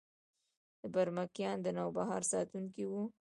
برمکیان د نوبهار ساتونکي وو